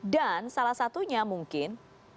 dan salah satunya mungkin